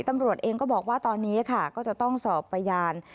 ตำรวจเองก็บอกว่าตอนนี้ค่ะก็จะต้องสอบพยาน